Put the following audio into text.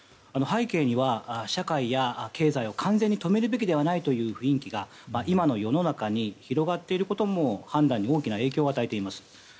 背景には、社会や経済を完全に止めるべきではないという雰囲気が今の世の中に広がっていることも判断に大きな影響を与えています。